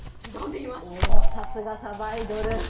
さすが、さばいどる。